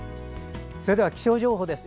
それでは、気象情報です。